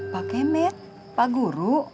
pak kemet pak guru